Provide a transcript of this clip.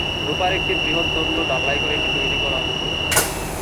রুপার একটি বৃহৎ দণ্ড ঢালাই করে এটি তৈরি করা হতো।